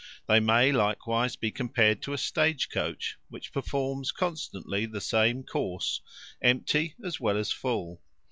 They may likewise be compared to a stage coach, which performs constantly the same course, empty as well as full.